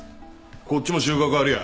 こっちも収穫ありや。